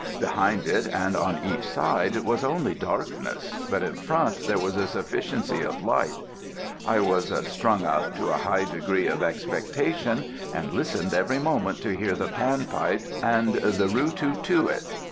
Behind it and on each side was only darkness, but in front there was a sufficiency of light. I was "strung up" to a high degree of expectation and listened every moment to hear the panpipes and the Roo too too it.